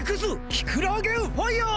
キクラーゲンファイヤー！